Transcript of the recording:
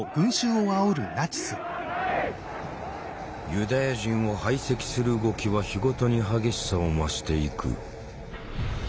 ユダヤ人を排斥する動きは日ごとに激しさを増していく。